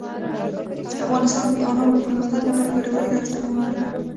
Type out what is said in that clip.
افغانستان کې د انارو د پرمختګ لپاره ګټورې هڅې روانې دي.